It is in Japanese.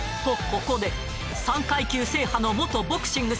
ここで３階級制覇の元ボクシング